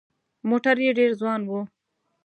موټر یې ډېر ځوان و.